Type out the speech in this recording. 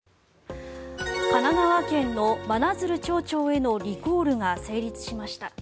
神奈川県の真鶴町長へのリコールが成立しました。